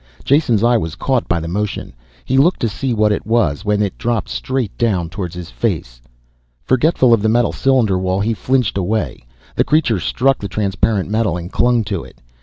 Jason's eye was caught by the motion, he looked to see what it was when it dropped straight down towards his face. Forgetful of the metal cylinder wall, he flinched away. The creature struck the transparent metal and clung to it.